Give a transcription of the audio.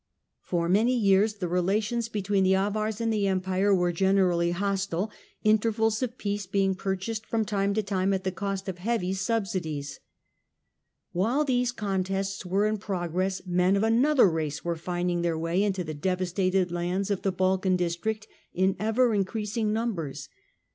For many years ;he relations between the Avars and the Empire were generally hostile, intervals of peace being purchased from ;ime to time at the cost of heavy subsidies. While these contests were in progress men ofsiav mother race were rinding their way into the devastated m '^" atl0US ands of the Balkan district in ever increasing numbers.